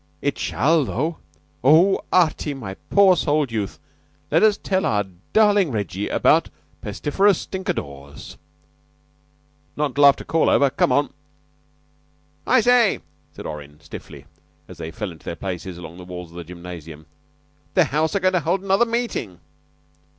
It shall, though. Oh, Artie, my pure souled youth, let us tell our darling Reggie about Pestiferous Stinkadores." "Not until after call over. Come on!" "I say," said Orrin, stiffly, as they fell into their places along the walls of the gymnasium. "The house are goin' to hold another meeting."